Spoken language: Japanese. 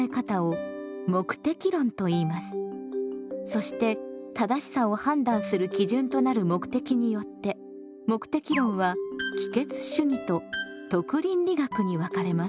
そして「正しさ」を判断する基準となる目的によって目的論は帰結主義と徳倫理学に分かれます。